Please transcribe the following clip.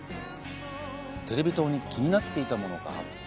テレビ塔に気になっていたものが。